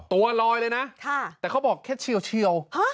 ตัวรอยเลยน่ะค่ะแต่เขาบอกแค่เชียวเชียวฮะ